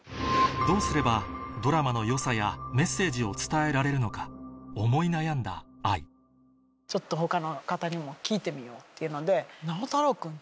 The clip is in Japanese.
どうすればドラマの良さやメッセージを伝えられるのか思い悩んだＡＩちょっと他の方にも聞いてみようっていうので。